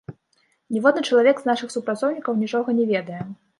Ніводны чалавек з нашых супрацоўнікаў нічога не ведае.